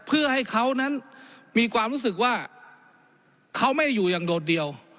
เพื่อให้เขานั้นมีความรู้สึกว่าเขาไม่ได้อยู่อย่างโดดเดี่ยว